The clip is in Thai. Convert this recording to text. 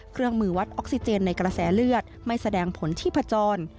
เครื่องมือวัดออกซิเจนในกระแสเลือดไม่แสดงผลที่ผจญ